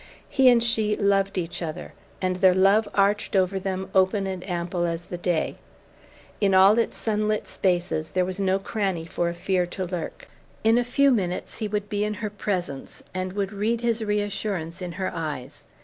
He and she loved each other, and their love arched over them open and ample as the day: in all its sunlit spaces there was no cranny for a fear to lurk. In a few minutes he would be in her presence and would read his reassurance in her eyes.